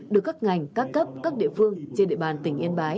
được các ngành các cấp các địa phương trên địa bàn tỉnh yên bái